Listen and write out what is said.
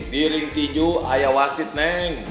di ring tinju ayah wasit nek